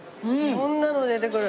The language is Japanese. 色んなの出てくる。